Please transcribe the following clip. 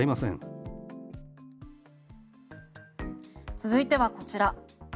続いてはこちら。